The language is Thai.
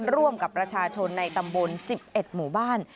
ร่วมกับประชาชนในตำบล๑๑หมู่บ้าน